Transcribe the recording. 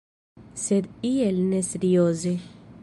Sed iel neserioze.